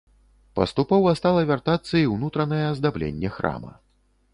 Паступова стала вяртацца і ўнутранае аздабленне храма.